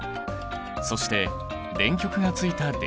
そして電極がついた電球。